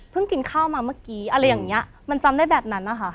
กินข้าวมาเมื่อกี้อะไรอย่างเงี้ยมันจำได้แบบนั้นนะคะ